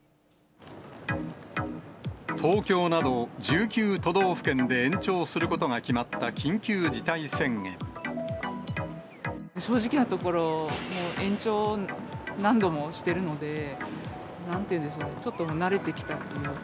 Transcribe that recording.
東京など１９都道府県で延長正直なところ、もう延長を何度もしてるので、なんて言うんでしょう、ちょっと慣れてきたっていうか。